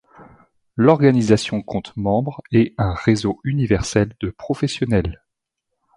L'organisation compte membres et un réseau universel de professionnels.